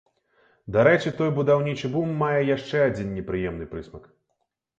Дарэчы, той будаўнічы бум мае яшчэ адзін непрыемны прысмак.